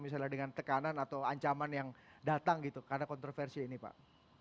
misalnya dengan tekanan atau ancaman yang datang gitu karena kontroversi ini pak